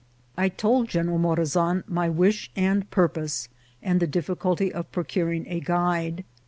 I told General Morazan my wish and purpose, and the difficulty of procuring a guide.